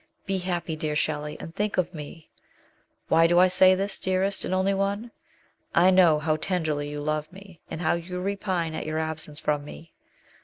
Be happy, dear Shelley, and think of me ! Why do I say this, dearest and only one ? I know how tenderly you love me, and how you repine at your absence from me.